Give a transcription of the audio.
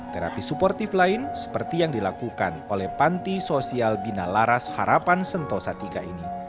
terapi suportif lain seperti yang dilakukan oleh panti sosial binalaras harapan sentosa iii ini